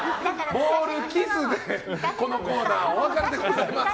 ボールにキスでこのコーナーお別れです。